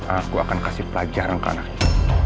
aku akan kasih pelajaran ke anaknya